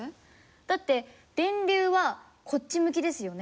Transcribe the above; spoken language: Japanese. だって電流はこっち向きですよね？